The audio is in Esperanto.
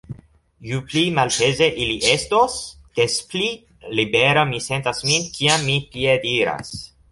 Ju pli malpeze ili estos, des pli libera mi sentas min, kiam mi piediras.